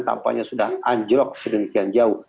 tampaknya sudah anjlok sedemikian jauh